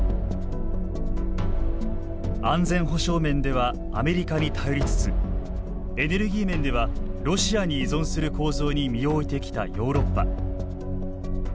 安全保障面ではアメリカに頼りつつエネルギー面ではロシアに依存する構造に身を置いてきたヨーロッパ。